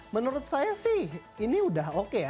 menurut saya sih ini udah oke ya